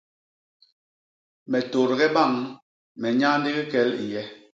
Me tôdge bañ, me nyaa ndigi kel i nye.